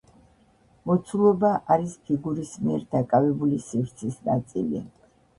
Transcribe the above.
მოცულობა არის ფიგურის მიერ დაკავებული სივრცის ნაწილი.